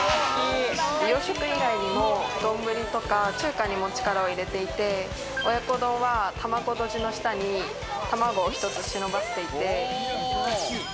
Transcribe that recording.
洋食以外にも丼とか中華にも力を入れていて、親子丼は卵とじの下に、卵を１つ忍ばせていて。